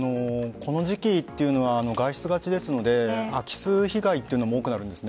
この時期というのは外出がちですので空き巣被害というのも多くなるんです。